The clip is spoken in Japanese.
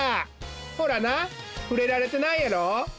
ほらなふれられてないやろ？